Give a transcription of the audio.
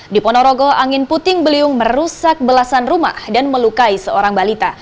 di ponorogo angin puting beliung merusak belasan rumah dan melukai seorang balita